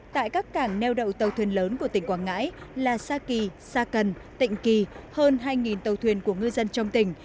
tại các càng neo đậu tàu thuyền lớn của tỉnh quảng ngãi là saki sakan tịnh kỳ hơn hai tàu thuyền của ngư dân trong tỉnh